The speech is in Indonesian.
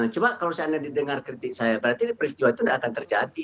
cuma kalau saya tidak didengar kritik saya berarti peristiwa itu nggak akan terjadi